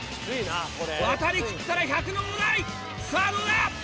渡り切ったら１００の大台さぁどうだ？